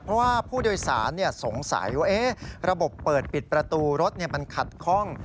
เพราะว่าผู้โดยสารสงสัยว่าระบบเปิดปิดประตูรถมันขัดคล่อง